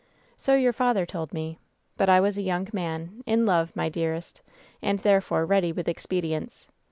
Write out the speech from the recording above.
"So your father told me. But I was a young man, in love, my dearest, and therefore ready with expedients.